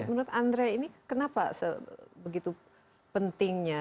menurut andre ini kenapa begitu pentingnya